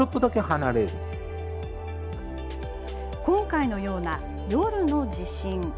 今回のような夜の地震。